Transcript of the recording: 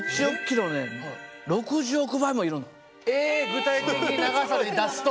具体的に長さで出すと？